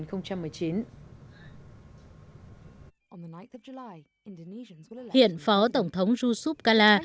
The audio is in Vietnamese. hiện phó tổng thống yusuf kala